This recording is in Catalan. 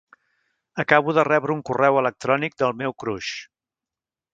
Acabo de rebre un correu electrònic del meu "crush"!